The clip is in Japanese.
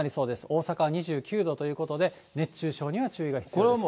大阪は２９度ということで、熱中症には注意が必要です。